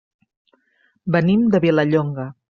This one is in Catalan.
Venim de Vilallonga.